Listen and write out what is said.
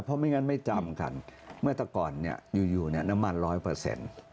เพราะไม่งั้นไม่จำกันเมื่อก่อนเนี่ยอยู่น้ำมัน๑๐๐